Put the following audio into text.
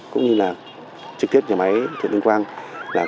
cũng như là trực tiếp nhà máy thượng tướng ương quan